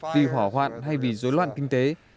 vì hỏa hoạn hay vì dối loạn kinh tế